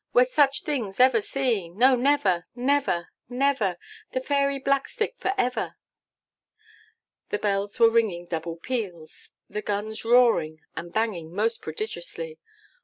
'Were such things ever seen?' 'No, never, never, never!' 'The Fairy Blackstick for ever!' The bells were ringing double peals, the guns roaring and banging most prodigiously.